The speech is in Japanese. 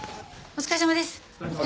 お疲れさまです。